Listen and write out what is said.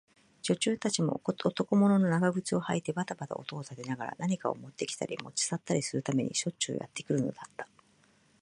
女中たちも、男物の長靴をはいてばたばた音を立てながら、何かをもってきたり、もち去ったりするためにしょっちゅうやってくるのだった。